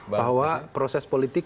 bahwa proses politik